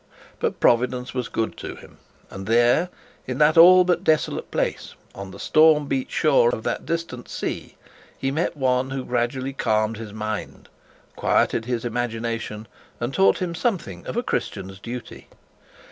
But Providence was good to him; and there, in that all but desolate place, on the storm beat shore of that distant sea, he met one who gradually changed his mind, quieted his imagination, and taught him something of a Christian's duty.